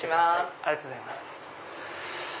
ありがとうございます。